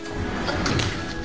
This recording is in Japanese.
あっ。